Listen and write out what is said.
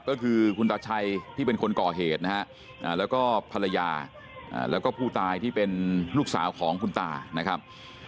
ก็คือคุณตาชัยที่เป็นคนก่อเหตุนะฮะแล้วก็ภรรยาแล้วก็ผู้ตายที่เป็นลูกสาวของคุณตานะครับ